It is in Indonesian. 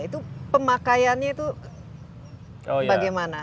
itu pemakaiannya itu bagaimana